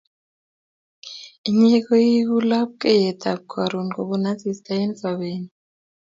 Inye ko i u lapkeyet ap karon kopun asista eng' sobennyu